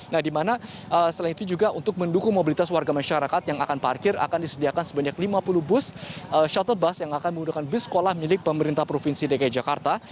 nah di mana selain itu juga untuk mendukung mobilitas warga masyarakat yang akan parkir akan disediakan sebanyak lima puluh bus shuttle bus yang akan menggunakan bus sekolah milik pemerintah provinsi dki jakarta